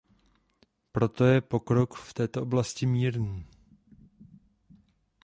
Proto je pokrok v této oblasti umírněný.